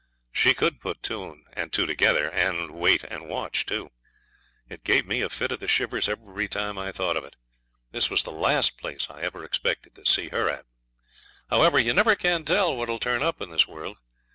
She could put two and two together, and wait and watch, too. It gave me a fit of the shivers every time I thought of it. This was the last place I ever expected to see her at. However, you never can tell what'll turn up in this world.